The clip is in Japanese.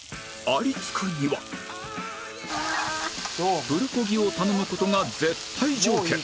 ありつくにはプルコギを頼む事が絶対条件